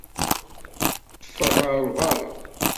Ffeɣ ɣer berra!